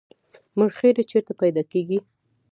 مرخیړي چیرته پیدا کیږي؟